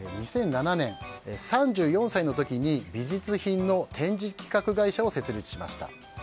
２００７年、３４歳の時に美術品の展示企画会社を設立しました。